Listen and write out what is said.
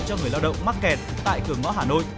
cho người lao động mắc kẹt tại cửa ngõ hà nội